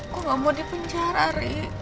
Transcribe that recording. gue gak mau dipenjara rik